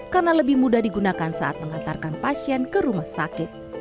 karena lebih mudah digunakan saat mengantarkan pasien ke rumah sakit